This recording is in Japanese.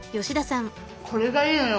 これがいいのよ